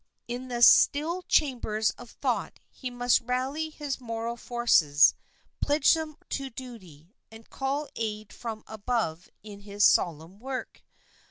In the still chambers of thought he must rally his moral forces, pledge them to duty, and call aid from above in his solemn work.